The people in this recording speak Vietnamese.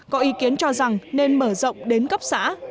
có ý kiến cho rằng nên mở rộng đến cấp xã